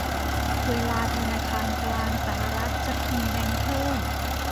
เวลาธนาคารกลางสหรัฐจะพิมพ์แบงก์เพิ่ม